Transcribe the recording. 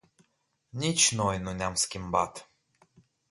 Nici noi nu ne-am schimbat.